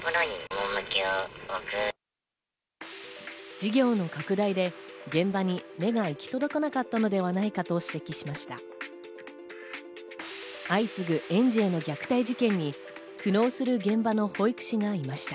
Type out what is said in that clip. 事業の拡大で現場に目が行き届かなかったのではないかと指摘しました。